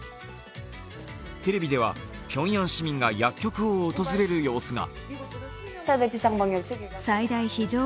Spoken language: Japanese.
テレビでは、ピョンヤン市民が薬局を訪れる様子が。